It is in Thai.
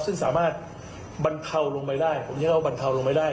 ซึ่งสามารถบรรเทาลงไปได้ผมเชื่อว่าบรรเทาลงไปได้